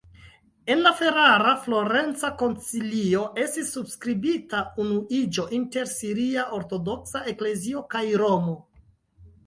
En la ferrara-florenca koncilio estis subskribita unuiĝo inter siria ortodoksa eklezio kaj Romo.